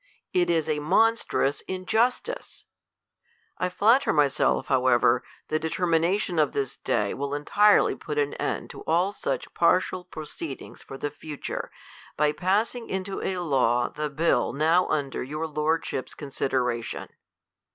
It is monstrous injustice ! I flat ter myself, however, the determination of this day will entirely put an end to all such partial proceedincrs for the future, by passing into a law the bill now under your lordships' consideration.